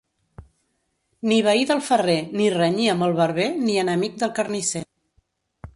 Ni veí del ferrer, ni renyir amb el barber, ni enemic del carnisser.